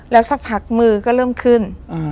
แล้วสักพักมือก็เริ่มขึ้น